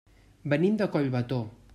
Venim de Collbató.